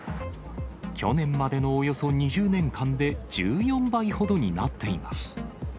去年までのおよそ２０年間で１４倍ほどになっています。